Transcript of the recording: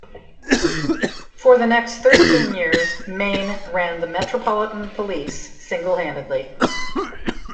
For the next thirteen years, Mayne ran the Metropolitan Police single-handedly.